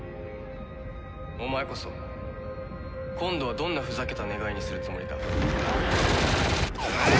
お前こそ今度はどんなふざけた願いにするつもりだ？